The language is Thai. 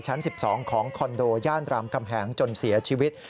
ชั้น๑๒ของคอนโดย่านรามกำแหงจนเสียชีวิต